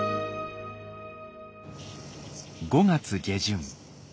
５月下旬。